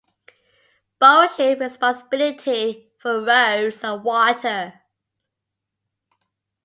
Both shared responsibility for roads and water.